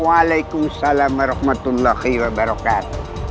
waalaikumsalam warahmatullahi wabarakatuh